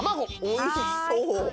おいしそう。